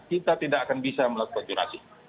kita tidak akan bisa melakukan curasi